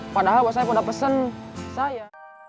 padahal bos saeb udah pesen saya